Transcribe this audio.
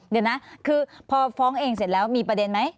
เดี๋ยวนะคือพอฟ้องเองเสร็จแล้วมีประเด็นไหม